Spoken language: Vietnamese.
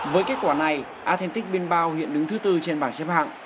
với kết quả này athletic bilbao hiện đứng thứ bốn trên bảng xếp hạng